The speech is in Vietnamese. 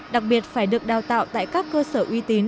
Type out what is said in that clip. đặc biệt phải được đào tạo tại các cơ sở uy tín